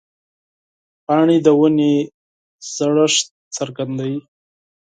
پاڼې د ونې زړښت څرګندوي.